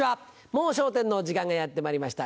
『もう笑点』の時間がやってまいりました。